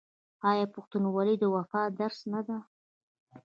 آیا پښتونولي د وفا درس نه دی؟